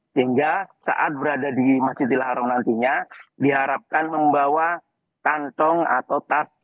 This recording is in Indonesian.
sehingga saat berada di masjidil haram nantinya diharapkan membawa kantong atau tas